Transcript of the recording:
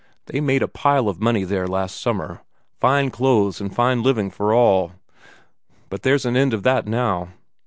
They made a pile of money there last summer; fine clothes and fine living for all but there's an end of that now.